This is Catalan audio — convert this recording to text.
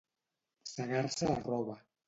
Segar-se la roba.